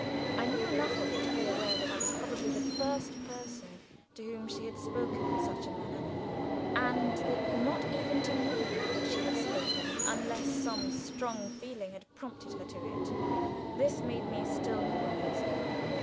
I knew enough of her to be aware that I was probably the first person to whom she had spoken in such a manner, and that not even to me would she have so spoken unless some strong feeling had prompted her to it. This made me still more uneasy.